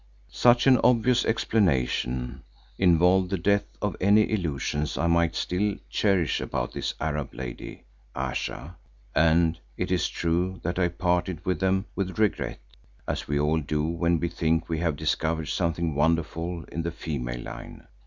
Such an obvious explanation involved the death of any illusions I might still cherish about this Arab lady, Ayesha, and it is true that I parted with them with regret, as we all do when we think we have discovered something wonderful in the female line.